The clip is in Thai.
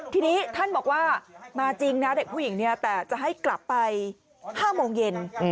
ทีนี้ท่านบอกว่ามาจริงนะเด็กผู้หญิงเนี่ยแต่จะให้กลับไป๕โมงเย็น